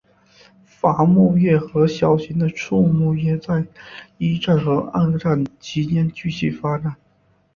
伐木业和小型的畜牧业在一战和二战期间继续发展。